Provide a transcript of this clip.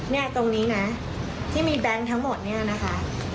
เนี่ยตรงนี้นะที่มีแบงค์ทั้งหมดเนี่ยนะคะ